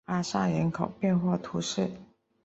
阿尚人口变化图示